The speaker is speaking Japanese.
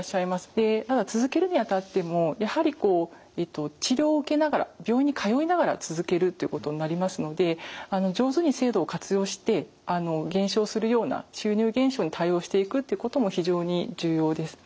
で続けるにあたってもやはり治療を受けながら病院に通いながら続けるということになりますので上手に制度を活用して減少するような収入減少に対応していくってことも非常に重要です。